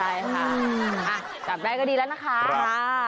ใช่ค่ะอ่ะกลับไปก็ดีแล้วนะคะค่ะ